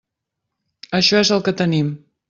Això és el que tenim.